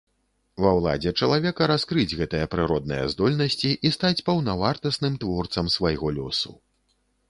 Ва ўладзе чалавека раскрыць гэтыя прыродныя здольнасці і стаць паўнавартасным творцам свайго лёсу.